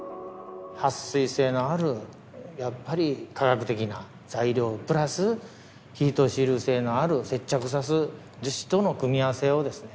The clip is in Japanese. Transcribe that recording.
撥水性のあるやっぱり化学的な材料プラスヒートシール性のある接着さす樹脂との組み合わせをですね